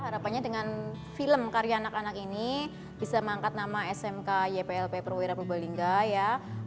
harapannya dengan film karya anak anak ini bisa mengangkat nama smk yplp perwira purbalingga ya